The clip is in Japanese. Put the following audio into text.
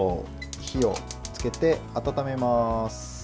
火をつけて、温めます。